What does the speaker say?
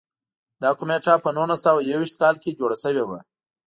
دا کمېټه په نولس سوه یو ویشت کال کې جوړه شوې وه.